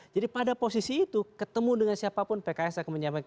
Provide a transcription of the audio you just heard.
pada posisi itu ketemu dengan siapapun pks akan menyampaikan